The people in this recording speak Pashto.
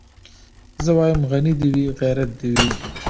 زه وايم غني دي وي غيرت دي وي